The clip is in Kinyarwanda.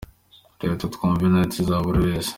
Reka twumve rights za buri wese.